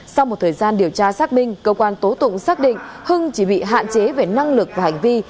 sau một thời gian điều tra xác minh cơ quan tố tụng xác định hưng chỉ bị hạn chế về năng lực và hành vi